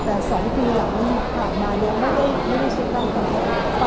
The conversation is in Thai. แต่สอนุทีหลังมันผ่านมาเรียกว่าไม่ได้เช็คร่างกาย